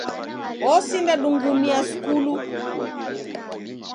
Osinda dungumia skulu